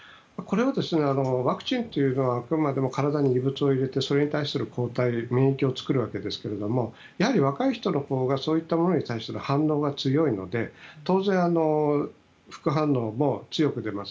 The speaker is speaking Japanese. ワクチンというのはあくまでも体に異物を入れてそれに対する抗体、免疫を作るわけですけども若い人のほうがそういったものに対する反応が強いので当然、副反応も強く出ます。